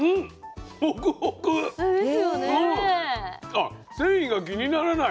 あっ繊維が気にならない。